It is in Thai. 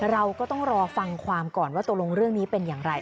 เราก็ต้องรอฟังความก่อนว่าตกลงเรื่องนี้เป็นอย่างไร